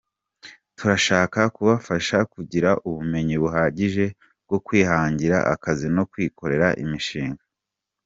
Turashaka kubafasha kugira ubumenyi buhagije bwo kwihangira akazi no kwikorera imishinga.